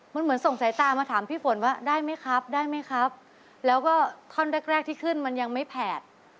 มันเหมือนส่งสายตามาถามพี่ฝนว่าได้ไหมครับแล้วก็คอนแรกที่ขึ้นมันยังไม่แผด